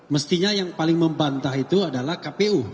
mestinya yang paling membantah itu adalah kpu